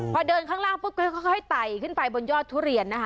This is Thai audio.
พอเดินข้างล่างปุ๊บก็ค่อยไต่ขึ้นไปบนยอดทุเรียนนะคะ